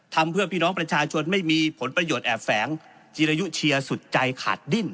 ทำเพื่อพี่น้องประชาชนไม่มีผลประโยชน์แอบแฝงจีรยุเชียร์สุดใจขาดดิ้น